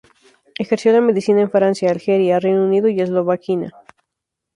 Ejerció la medicina en Francia, Algeria, Reino Unido y Eslovaquia.